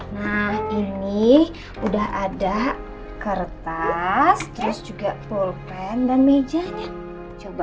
nah ini udah ada kertas terus juga pulpen dan mejanya coba